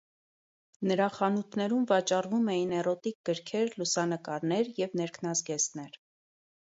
Նրա խանութներում վաճառվում էին էրոտիկ գրքեր, լուսանկարներ և ներքնազգեստներ։